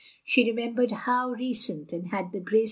She remembered how recent, and had the grace?